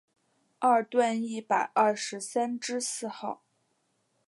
二段一百二十三之四号